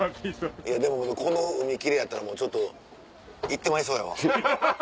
いやでもこの海奇麗やったらもうちょっと行ってまいそうやわ。